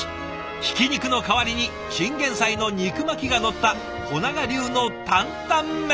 ひき肉の代わりにチンゲンサイの肉巻きがのった保永流の担々麺。